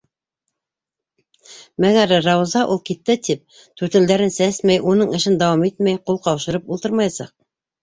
Мәгәр Рауза ул китте тип түтәлдәрен сәсмәй, уның эшен дауам итмәй ҡул ҡаушырып ултырмаясаҡ.